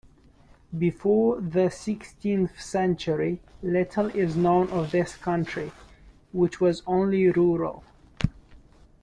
Before the sixteenth century, little is known of this county, which was only rural.